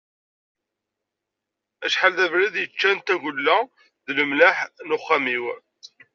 Acḥal d abrid i ččant tagella d lemleḥ n uxxam-iw.